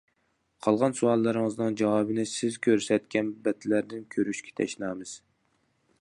قالغان سوئاللىرىڭىزنىڭ جاۋابىنى سىز كۆرسەتكەن بەتلەردىن كۆرۈشكە تەشنامىز.